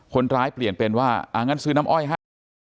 คนร้ายเปลี่ยนเป็นว่าอ่างั้นซื้อน้ำอ้อยให้